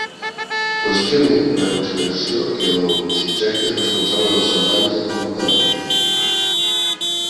Qüestione la consideració que el subjecte és responsable dels seus hàbits de comportament.